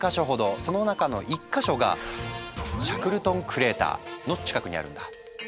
その中の１か所がシャックルトン・クレーターの近くにあるんだ。